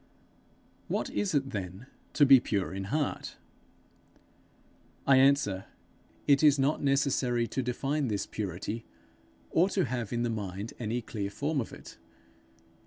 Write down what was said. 'What is it, then, to be pure in heart?' I answer, It is not necessary to define this purity, or to have in the mind any clear form of it.